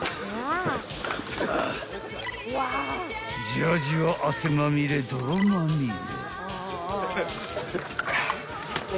［ジャージーは汗まみれ泥まみれ］